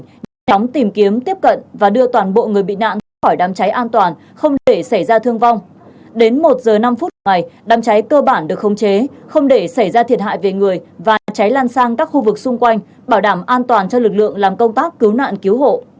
nhận mệnh lệnh nhanh chóng tìm kiếm tiếp cận và đưa toàn bộ người bị nạn khỏi đám cháy an toàn không để xảy ra thương vong đến một giờ năm phút đám cháy cơ bản được không chế không để xảy ra thiệt hại về người và cháy lan sang các khu vực xung quanh bảo đảm an toàn cho lực lượng làm công tác cứu nạn cứu hộ